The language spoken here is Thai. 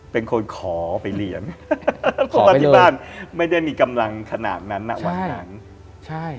เป็นคนขอไปเรียนเพราะว่าที่บ้านไม่ได้มีกำลังขนาดนั้นน่ะวันนั้นใช่